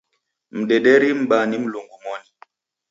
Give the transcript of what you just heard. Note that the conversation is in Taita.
Mdederii mbaha ni Mlungu moni.